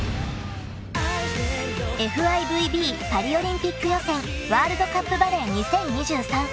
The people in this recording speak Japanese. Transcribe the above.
［ＦＩＶＢパリオリンピック予選ワールドカップバレー２０２３］